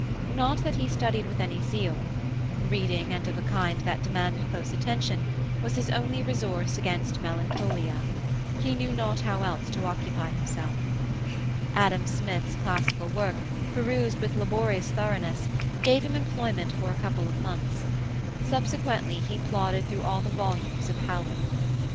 Not that he studied with any zeal; reading, and of a kind that demanded close attention, was his only resource against melancholia; he knew not how else to occupy himself. Adam Smith's classical work, perused with laborious thoroughness, gave him employment for a couple of months; subsequently he plodded through all the volumes of Hallam.